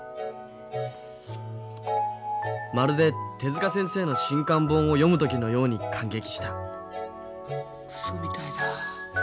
まるで手先生の新刊本を読む時のように感激したうそみたいだ。